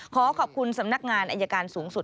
ขอขอบคุณสำนักงานอายการสูงสุด